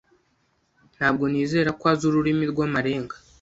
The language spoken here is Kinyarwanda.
Ntabwo nizera ko azi ururimi rw'amarenga.